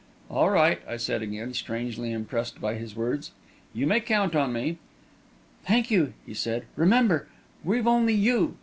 "All right," I said, again, strangely impressed by his words. "You may count on me." "Thank you," he said. "Remember, we've only you.